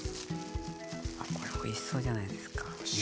これおいしそうじゃないですかね。